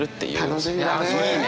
楽しみだね！